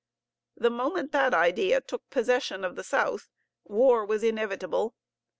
The moment that idea took possession of the South war was inevitable.